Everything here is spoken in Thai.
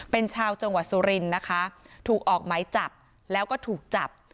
เป็นชาวจังหวัดสุรินทร์นะคะถูกออกหมายจับแล้วก็ถูกจับ